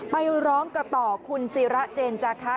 ไปร้องกันต่อคุณศิระเจนจาคะ